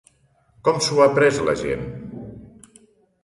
Com s'ho ha pres la gent?